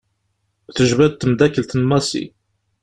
Tejba-d temddakelt n Massi.